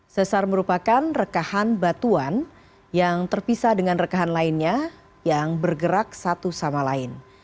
sesar merupakan rekahan batuan yang terpisah dengan rekahan lainnya yang bergerak satu sama lain